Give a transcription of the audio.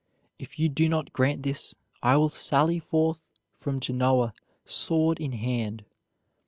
If you do not grant this, I will sally forth from Genoa sword in hand.